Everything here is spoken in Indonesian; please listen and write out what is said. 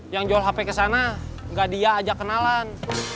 yang jual hp ke sana nggak dia aja kenalan